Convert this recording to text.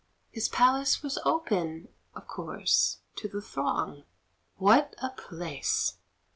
His palace was open, of course, to the throng; What a place!